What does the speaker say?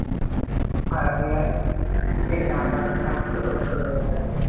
আর আপনারা এটা আমায় রাত্রে করতে বলছেন।